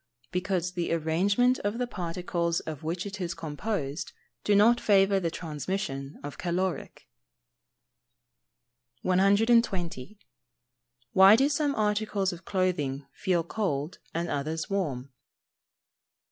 _ Because the arrangement of the particles of which it is composed does not favour the transmission of caloric. 120. _Why do some articles of clothing feel cold, and others warm?